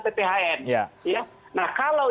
pphn nah kalau